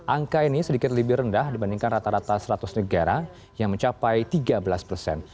angka ini sedikit lebih rendah dibandingkan rata rata seratus negara yang mencapai tiga belas persen